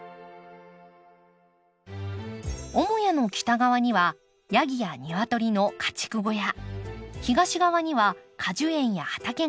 母屋の北側にはヤギやニワトリの家畜小屋東側には果樹園や畑が広がります。